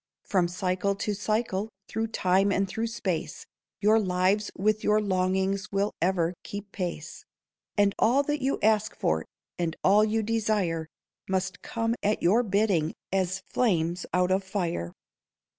From cycle to cycle, through time and through space, Your lives with your longings will ever keep pace. And all that you ask for, and all you desire, Must come at your bidding, as flames out of fire.